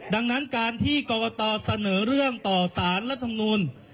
ดังนั้นการที่กรกตเสนอเรื่องต่อสารรัฐมนูล